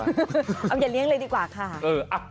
เอาอย่าเลี้ยงเลยดีกว่าค่ะ